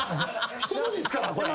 人のですからこれ。